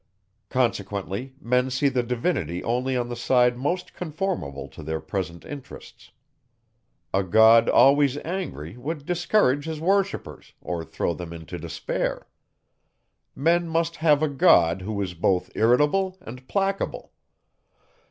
Consequently, men see the Divinity only on the side most conformable to their present interests. A God always angry would discourage his worshippers, or throw them into despair. Men must have a God, who is both irritable, and placable.